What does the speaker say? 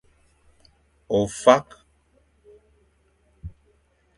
Ofak.